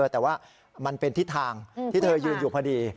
แต่ว่ามันเป็นทิศทางที่เธอยืนอยู่พอดี